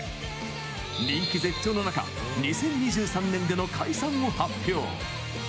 人気絶頂の中２０２３年での解散を発表。